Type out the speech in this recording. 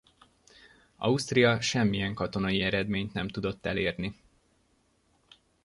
Ausztria semmilyen katonai eredményt nem tudott elérni.